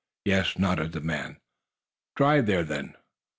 "Yes," nodded the man. "Drive there, then."